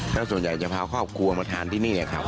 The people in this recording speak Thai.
แล้วส่วนใหญ่จะพาครอบครัวมาทานที่นี่แหละครับ